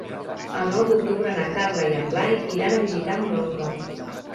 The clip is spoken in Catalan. El nou d'octubre na Carla i en Blai iran a visitar mon oncle.